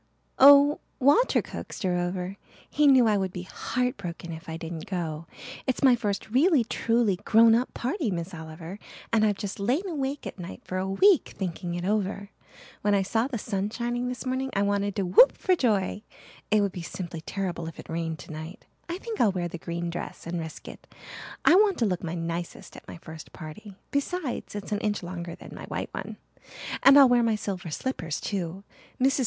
"Oh, Walter coaxed her over. He knew I would be heart broken if I didn't go. It's my first really truly grown up party, Miss Oliver, and I've just lain awake at nights for a week thinking it over. When I saw the sun shining this morning I wanted to whoop for joy. It would be simply terrible if it rained tonight. I think I'll wear the green dress and risk it. I want to look my nicest at my first party. Besides, it's an inch longer than my white one. And I'll wear my silver slippers too. Mrs.